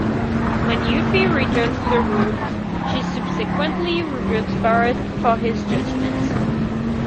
When Yuffie returns to the group she subsequently rebukes Barrett for his judgement.